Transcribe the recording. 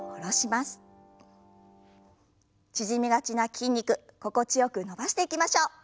縮みがちな筋肉心地よく伸ばしていきましょう。